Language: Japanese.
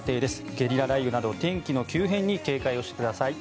ゲリラ雷雨など天気の急変に警戒してください。